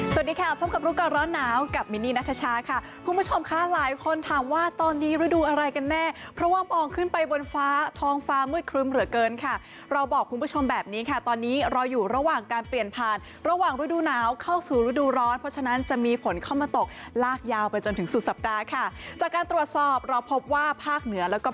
สวัสดีค่ะพบกับรุกร้อนหนาวกับมินีนักชะชะค่ะคุณผู้ชมค่ะหลายคนถามว่าตอนนี้รูดูอะไรกันแน่เพราะว่ามองขึ้นไปบนฟ้าทองฟ้ามืดครึ่มเหลือเกินค่ะเราบอกคุณผู้ชมแบบนี้ค่ะตอนนี้รออยู่ระหว่างการเปลี่ยนผ่านระหว่างรูดูหนาวเข้าสู่รูดูร้อนเพราะฉะนั้นจะมีฝนเข้ามาตกลากยาวไปจนถึงสุดสัปดาห์